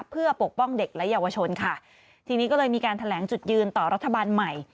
เพื่อปกป้องเด็กและเยาวชนค่ะทีนี้ก็เลยมีการแถลงจุดยืนต่อรัฐบาลใหม่